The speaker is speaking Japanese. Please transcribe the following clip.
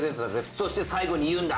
そして最後に言うんだ